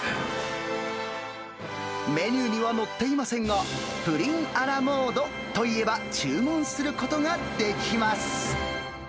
メニューには載っていませんが、プリンアラモードと言えば注文することができます。